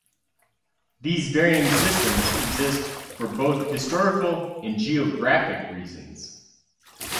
These varying systems exist for both historical and geographic reasons.